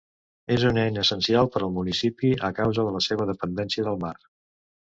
És una eina essencial per al municipi a causa de la seva dependència del mar.